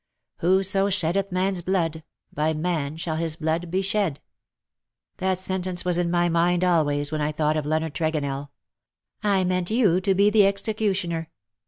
^ Whoso sheddeth man^s blood, by man shall his blood be shed.^ That sentence was in my mind always^ when I thought of Leonard Tregonell. I meant you to be the executioner.